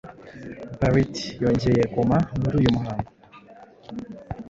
Barrettyongeye guoma muri uyu muhango